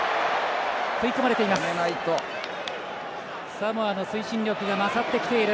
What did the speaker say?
サモアの推進力が勝ってきている。